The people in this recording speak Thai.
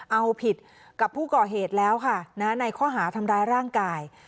เอาผิดกับผู้ก่อเหตุแล้วค่ะในข้อหาทำร้ายร่างกาย